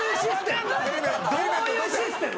どういうシステム？